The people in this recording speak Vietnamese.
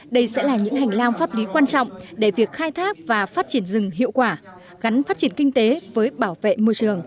đây sẽ là những hành lang pháp lý quan trọng để việc khai thác và phát triển rừng hiệu quả gắn phát triển kinh tế với bảo vệ môi trường